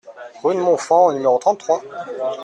Rue de Montfand au numéro trente-trois